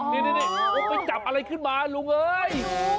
นี่ไปจับอะไรขึ้นมาลุงเอ้ย